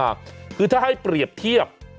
และมันโค้งงอขึ้นมาคือถ้าให้เปรียบเทียบ